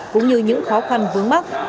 cũng như những khó khăn vướng mắt